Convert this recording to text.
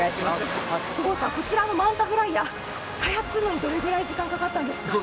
こちらのマンタフライヤー、開発するのにどれぐらいかかったんですか？